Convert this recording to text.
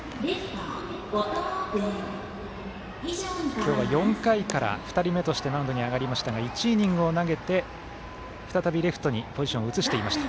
今日は４回から２人目としてマウンドに上がりましたが１イニングを投げて再びレフトにポジションを移していました。